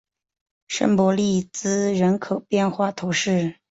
圣博利兹人口变化图示